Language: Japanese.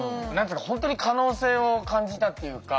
本当に可能性を感じたっていうか。